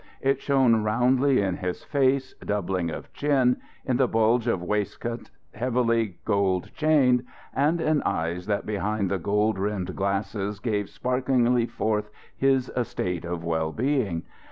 It shone roundly in his face, doubling of chin, in the bulge of waistcoat, heavily gold chained, and in eyes that behind the gold rimmed glasses gave sparklingly forth his estate of well being.